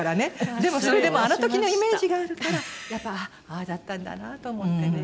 でもそれでもあの時のイメージがあるからやっぱり「ああだったんだな」と思ってね。